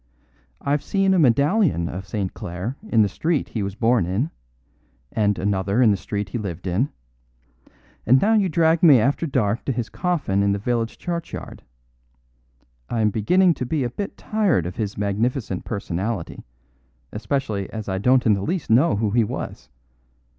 I've seen a medallion of St. Clare in the street he was born in, and another in the street he lived in; and now you drag me after dark to his coffin in the village churchyard. I am beginning to be a bit tired of his magnificent personality, especially as I don't in the least know who he was.